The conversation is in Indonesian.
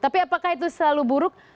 tapi apakah itu selalu buruk